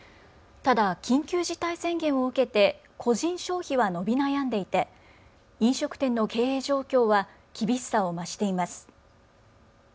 ただ、緊急事態宣言を受けて個人消費は伸び悩んでいて飲食店の経営状況は厳しさを増しています。